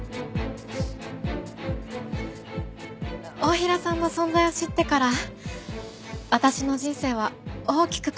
太平さんの存在を知ってから私の人生は大きく変わりました。